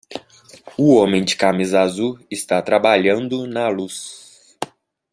O homem de camisa azul está trabalhando na luz.